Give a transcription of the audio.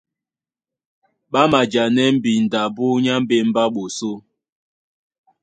Ɓá majanɛ́ mbindo abú nyá mbémbé á ɓosó.